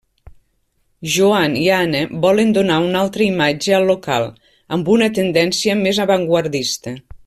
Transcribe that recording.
Joan i Anna volen donar una altra imatge al local, amb una tendència més avantguardista.